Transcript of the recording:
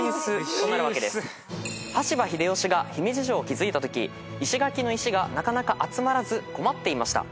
羽柴秀吉が姫路城を築いたとき石垣の石がなかなか集まらず困っていました。